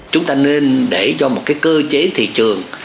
chúng ta nên để cho một cái cơ chế thị trường